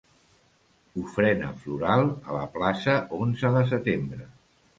Ofrena floral a la plaça onze de setembre.